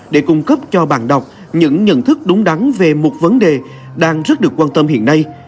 để cung cấp cho bạn đọc những nhận thức đúng đắn về một vấn đề đang rất được quan tâm hiện nay